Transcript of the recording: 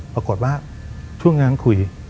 ปรากฏว่าช่วงนั้นคุย